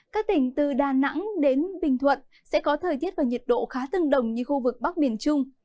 các tỉnh từ đà nẵng đến bình thuận sẽ có thời tiết và nhiệt độ khá tương đồng như khu vực bắc miền trung